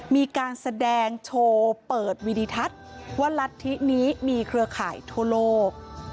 มีการแสดงโชว์เปิดวิดิทัศน์ว่ารัฐธินี้มีเครือข่ายทั่วโลก